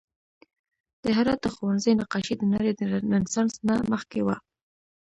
د هرات د ښوونځي نقاشي د نړۍ د رنسانس نه مخکې وه